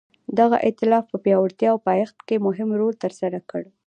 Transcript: دغه ایتلاف په پیاوړتیا او پایښت کې مهم رول ترسره کړ.